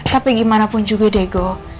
tapi gimana pun juga diego